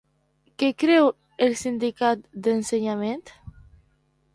Què creu el sindicat de l'Ensenyament?